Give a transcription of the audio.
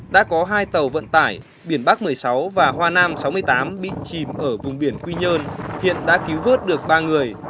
đã có hai tàu vận tải biển bắc một mươi sáu và hoa nam sáu mươi tám bị chìm ở vùng biển quy nhơn hiện đã cứu vớt được ba người